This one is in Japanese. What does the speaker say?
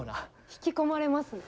引き込まれますね。